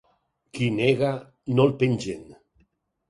Qui nega, no el pengen.